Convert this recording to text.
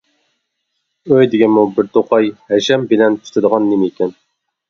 ئۆي دېگەنمۇ بىر توقاي ھەشەم بىلەن پۈتىدىغان نېمىكەن.